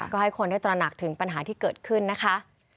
ก็ให้คนได้ตระหนักถึงปัญหาที่เกิดขึ้นนะคะ